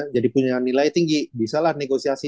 jadi punya nilai tinggi bisa lah negosiasi